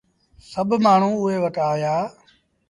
سڀ مآڻهوٚ اُئي وٽ آيآ۔